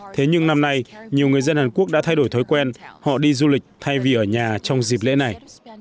thế nhưng năm nay nhiều người dân hàn quốc đã thay đổi thói quen họ đi du lịch thay vì ở nhà trong dịp lễ này